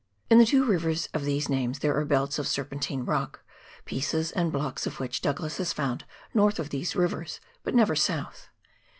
In the two rivers of these names there are belts of serpentine rock, pieces and blocks of which Douglas has found north of the rivers but never south.